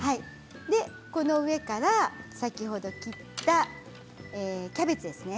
この上から先ほど切ったキャベツですね。